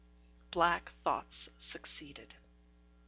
. Black thoughts succeeded.